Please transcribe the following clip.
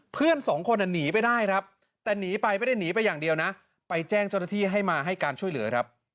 เพื่อน๒คนนี่ไปได้แต่นี่ไปไม่ได้นี่ไปอย่างเดียวไปแจ้งเจ้าหน้าที่ให้มาให้การช่วยเหลือ